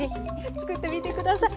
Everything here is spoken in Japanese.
作ってみて下さい。